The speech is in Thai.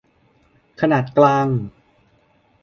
ขนาดกลาง